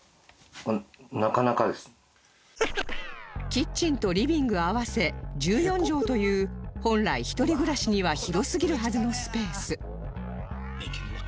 キッチンとリビング合わせ１４畳という本来一人暮らしには広すぎるはずのスペース